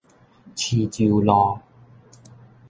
徐州路